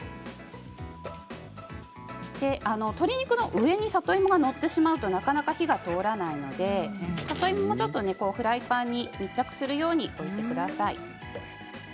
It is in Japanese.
鶏肉の上に里芋が載ってしまうとなかなか火が通らないので里芋もちょっとフライパンに密着するように置いてください。